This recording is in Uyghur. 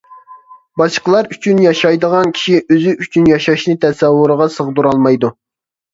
باشقىلار ئۈچۈن ياشايدىغان كىشى ئۆزى ئۈچۈن ياشاشنى تەسەۋۋۇرىغا سىغدۇرالمايدۇ.